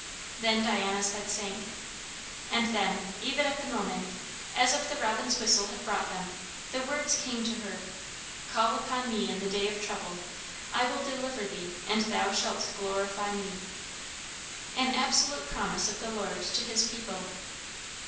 Then Diana's head sank. And then, even at the moment, as if the robin's whistle had brought them, the words came to her "Call upon me in the day of trouble; I will deliver thee, and thou shalt glorify me." An absolute promise of the Lord to his people.